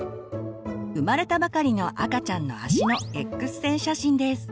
生まれたばかりの赤ちゃんの足のＸ線写真です。